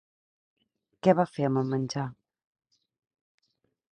Què va fer amb el menjar?